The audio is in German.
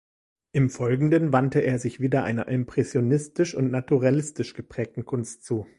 Im Folgenden wandte er sich wieder einer impressionistisch und naturalistisch geprägten Kunst zu.